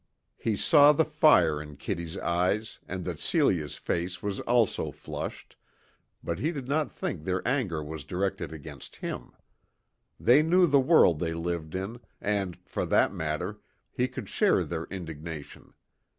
He saw the fire in Kitty's eyes and that Celia's face was also flushed, but he did not think their anger was directed against him. They knew the world they lived in, and, for that matter, he could share their indignation.